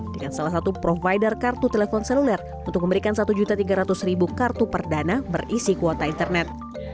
dengan salah satu provider kartu telepon seluler untuk memberikan satu tiga ratus kartu perdana berisi kuota internet